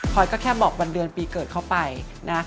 พอยก็แค่บอกวันเดือนปีเกิดเข้าไปนะ